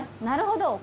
なるほど。